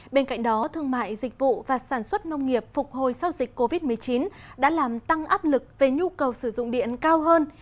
bên cạnh đó thương mại dịch vụ và sản xuất nông nghiệp phục hồi sau dịch covid một mươi chín đã làm tăng áp lực về nhu cầu sử dụng điện cao hơn